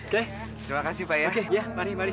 terima kasih pak ya